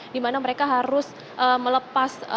dimana mereka harus melepas